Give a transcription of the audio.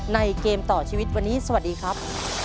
เกมต่อชีวิตวันนี้สวัสดีครับ